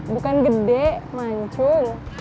bukan gede mancung